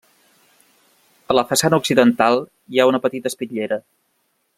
A la façana occidental hi ha una petita espitllera.